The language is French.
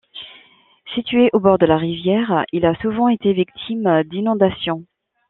Situé au bord de la rivière, il a souvent été victime d'inondations.